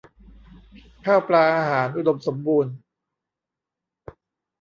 ข้าวปลาอาหาร อุดมสมบูรณ์